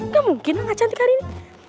ga mungkin lah ga cantik hari ini